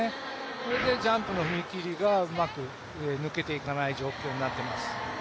それでジャンプの踏み切りがうまく抜けていかない状態になっています。